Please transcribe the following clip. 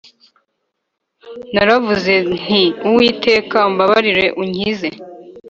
Naravuze nti Uwiteka umbabarire Unkize